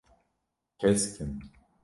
Kesk in.